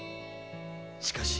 しかし。